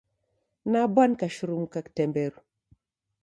Nabwa nikashurumuka kitemberu.